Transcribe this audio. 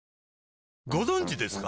ご存知ですか？